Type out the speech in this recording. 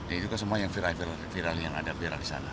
itu semua yang viral yang ada di sana